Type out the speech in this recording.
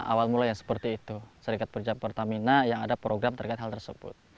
awal mula yang seperti itu serikat pekerja pertamina yang ada program terkait hal tersebut